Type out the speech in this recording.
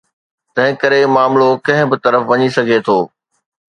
تنهنڪري معاملو ڪنهن به طرف وڃي سگهي ٿو.